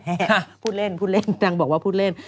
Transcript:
พูดเล่นพูดเล่นนางบอกว่าพูดเล่น